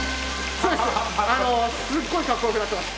すごいかっこよくなってます！